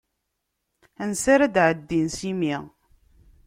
Ansi ara d-ɛeddin s imi.